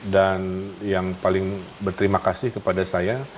dan yang paling berterima kasih kepada saya